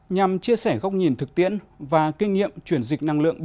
nhằm chia sẻ góc nhìn thực tiễn và kinh nghiệm chuyển dịch năng lượng bền bộ